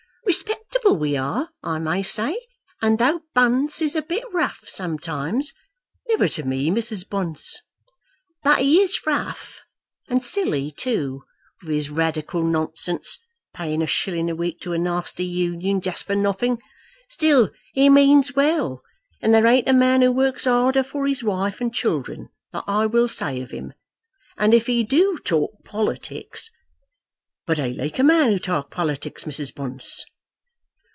Respectable we are, I may say; and though Bunce is a bit rough sometimes " "Never to me, Mrs. Bunce." "But he is rough, and silly, too, with his radical nonsense, paying a shilling a week to a nasty Union just for nothing. Still he means well, and there ain't a man who works harder for his wife and children; that I will say of him. And if he do talk politics " "But I like a man to talk politics, Mrs. Bunce."